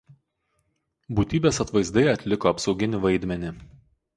Būtybės atvaizdai atliko apsauginį vaidmenį.